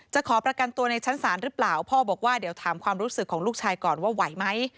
ขอประกันตัวในชั้นศาลหรือเปล่าพ่อบอกว่าเดี๋ยวถามความรู้สึกของลูกชายก่อนว่าไหวไหม